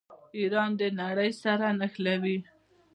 ایران د نړۍ سره نښلوي.